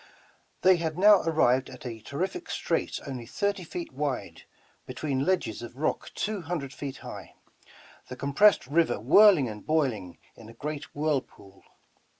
They had now arrived at a terrific strait only thirty feet wide, between ledges of rock two hundred feet high, the compressed river whirling and boiling in a great whirlpool.